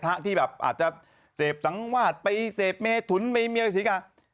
พระที่แบบอาจจะเสพสังวาดไปเสพเมถุนมีอะไรสิค่ะ